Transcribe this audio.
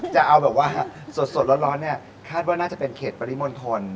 จะเอาแบบว่าสดร้อนเนี่ยคาดว่าน่าจะเป็นเขตปริมณฑล